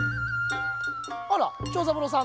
あら長三郎さん